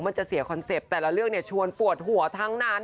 แต่ละเรื่องชวนปวดหัวทั้งนั้น